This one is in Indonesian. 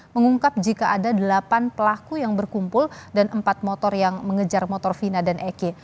mengungkap jika ada delapan pelaku yang berkumpul dan empat motor yang mengejar motor vina dan eke